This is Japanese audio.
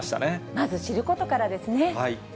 まず知ることからですね。